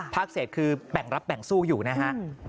เศษคือแบ่งรับแบ่งสู้อยู่นะฮะ